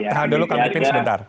tahan dulu kang pipin sebentar